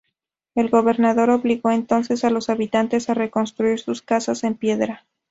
El gobernador obligó entonces a los habitantes a reconstruir sus casas en piedra.